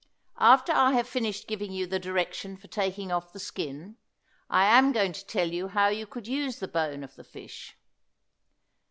After I have finished giving you the direction for taking off the skin, I am going to tell you how you could use the bone of the fish.